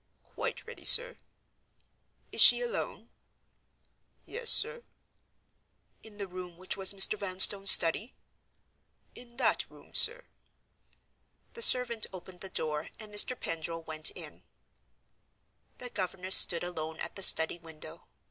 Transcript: "Quite ready, sir." "Is she alone?" "Yes, sir." "In the room which was Mr. Vanstone's study?" "In that room, sir." The servant opened the door and Mr. Pendril went in. The governess stood alone at the study window.